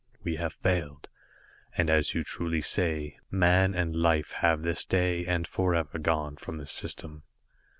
We have failed, and as you truly say, Man and Life have this day and forever gone from this system.